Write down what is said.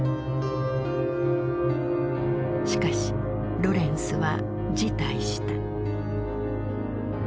しかしロレンスは辞退した。